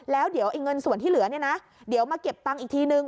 แล้วเดี๋ยวเงินส่วนที่เหลือเนี่ยนะเดี๋ยวมาเก็บตังค์อีกทีนึง